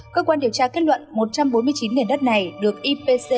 cơ quan điều tra kết luận một trăm bốn mươi chín nền đất này được ipc